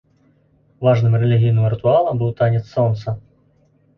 Важным рэлігійным рытуалам быў танец сонца.